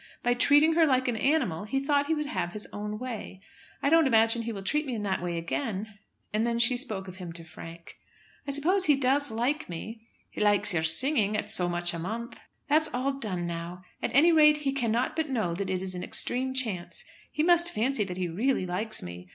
By treating her like an animal he thought he would have his own way. I don't imagine he will treat me in that way again." And then she spoke of him to Frank. "I suppose he does like me?" "He likes your singing, at so much a month." "That's all done now. At any rate, he cannot but know that it is an extreme chance. He must fancy that he really likes me.